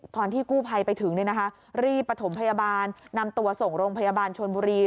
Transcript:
ตอนที่กู้ภัยไปถึงรีบประถมพยาบาลนำตัวส่งโรงพยาบาลชนบุรี